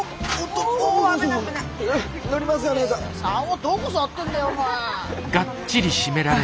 どこ触ってんだよお前。